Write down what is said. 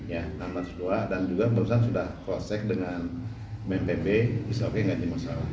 ya enam ratus dua dan juga perusahaan sudah cross check dengan bnpb is op nggak jadi masalah